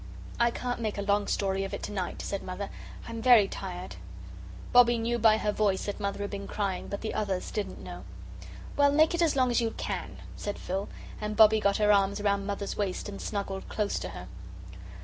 "I can't make a long story of it to night," said Mother; "I'm very tired." Bobbie knew by her voice that Mother had been crying, but the others didn't know. "Well, make it as long as you can," said Phil, and Bobbie got her arms round Mother's waist and snuggled close to her.